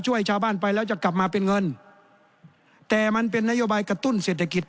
ช่วยชาวบ้านไปแล้วจะกลับมาเป็นเงินแต่มันเป็นนโยบายกระตุ้นเศรษฐกิจ